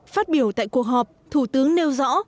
phát biểu tại cuộc họp thủ tướng nêu rõ